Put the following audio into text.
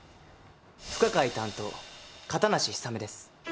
不可解担当、片無氷雨です。